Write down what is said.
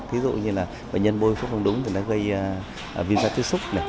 thí dụ như là bệnh nhân bôi phúc không đúng thì nó gây viên sát thư xúc